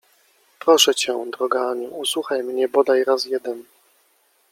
— Proszę cię, droga Aniu, usłuchaj mnie bodaj raz jeden!